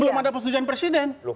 belum ada persetujuan presiden